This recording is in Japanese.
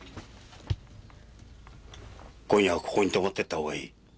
今夜はここに泊まっていった方がいい。